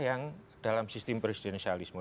yang dalam sistem presidensialisme